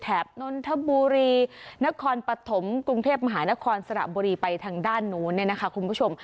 แถบนนทบุรีนะครปัตหมค์กรุงเทพมหาลนครสระบุรีอ้ไปทางด้านนู้นนะคะคุณผู้ชม